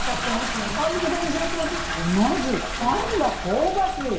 まずパンが香ばしい。